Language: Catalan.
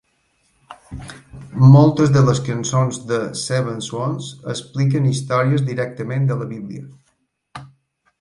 Moltes de les cançons de Seven Swans expliquen històries directament de la Bíblia.